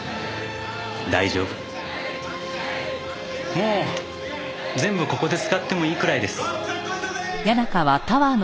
もう全部ここで使ってもいいくらいです。